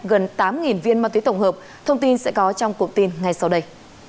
gần tám viên ma túy tổng hợp thông tin sẽ có trong cụm tin ngay sau đây